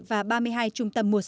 và ba mươi hai trung tâm mùa sáng